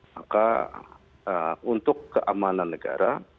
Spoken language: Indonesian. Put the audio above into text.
maka untuk keamanan negara